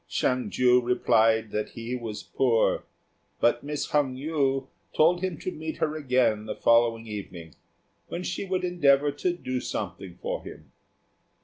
Hsiang ju replied that he was poor; but Miss Hung yü told him to meet her again the following evening, when she would endeavour to do something for him.